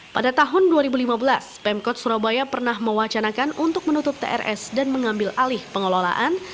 pada tahun dua ribu lima belas pemkot surabaya pernah mewacanakan untuk menutup trs dan mengambil alih pengelolaan